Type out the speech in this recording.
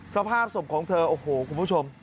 สภาพศพของเธอโอ้โหคุณผู้ชม